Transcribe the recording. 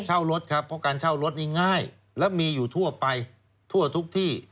รถครับเพราะการเช่ารถนี่ง่ายและมีอยู่ทั่วไปทั่วทุกที่